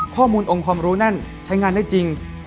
ข้อมูลองค์ความรู้นั่นใช้งานได้จริง